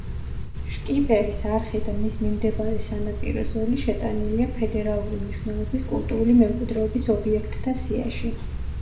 შკიპერის არხი და მის მიმდებარე სანაპირო ზოლი შეტანილია ფედერალური მნიშვნელობის კულტურული მემკვიდრეობის ობიექტთა სიაში.